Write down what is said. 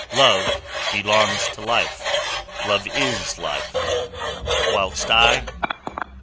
Love belongs to life; love is life; whilst I...